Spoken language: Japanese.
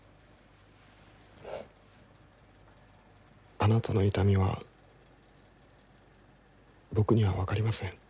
あなたの痛みは僕には分かりません。